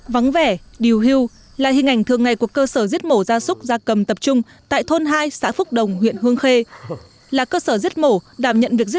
vắng vẻ điều hưu là hình ảnh thường ngày của cơ sở giết mổ gia súc gia cầm tập trung tại thôn hai xã phúc đồng huyện hương khê